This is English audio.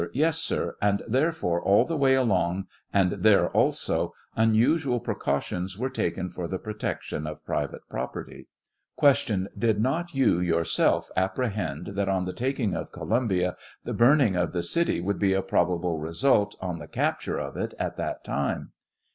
Yes, sir ; and, therefore, all the way along, and there, also, unusual precautions were taken for the protection of private property. Q. Did not you, yourself apprehend that on the taking of Columbia the burning of the city would be a probable result on the capture of it at that time?